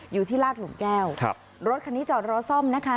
อยู่ที่ลาดหลุมแก้วครับรถคันนี้จอดรอซ่อมนะคะ